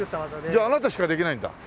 じゃああなたしかできないんだ？